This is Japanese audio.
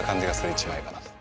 １枚かなと。